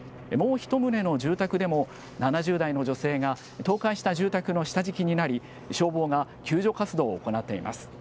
もう１棟の住宅でも、７０代の女性が倒壊した住宅の下敷きになり、消防が救助活動を行っています。